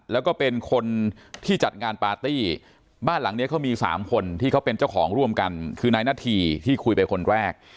แล้วก็เป็นคนที่จัดงานปาร์ตี้บ้านหลังนี้เขามี๓คนที่เขาเป็นเจ้าของร่วมกันคือนายนาธีที่คุยไปคนแรก